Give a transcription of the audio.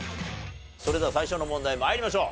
それでは最初の問題参りましょう。